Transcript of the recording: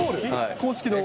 公式の？